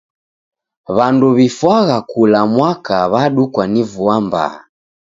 W'andu w'ifwagha kula mwaka w'adukwa ni vua mbaa.